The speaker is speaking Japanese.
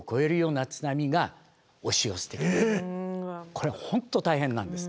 これ本当大変なんです。